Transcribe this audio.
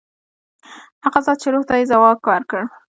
هغه ذات چې روح ته یې ځواک ورکړ.